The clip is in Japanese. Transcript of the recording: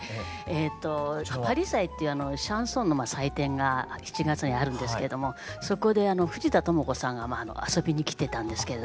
えっと「パリ祭」っていうシャンソンの祭典が７月にあるんですけれどもそこで藤田朋子さんが遊びに来てたんですけど。